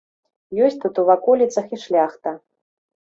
Ёсць тут у ваколіцах і шляхта.